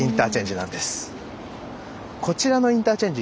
こちらのインターチェンジ